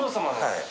はい。